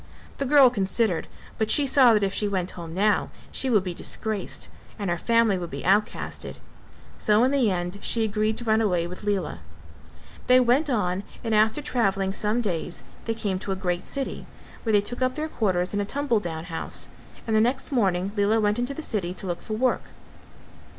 The girl considered but she saw that if she went home now she would be disgraced and her family would be outcasted, so in the end she agreed to run away with Lela. They went on and after travelling some days they came to a great city, where they took up their quarters in a tumble down house and the next morning Lela went into the city to look for work.